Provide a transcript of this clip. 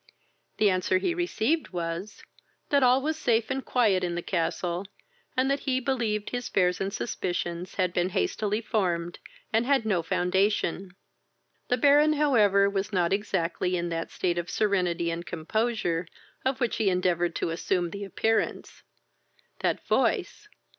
The answer he received was, that all was safe and quiet in the castle, and that he believed his fears and suspicions had been hastily formed, and had no foundation. The Baron, however, was not exactly in that state of serenity and composure of which he endeavoured to assume the appearance. That voice!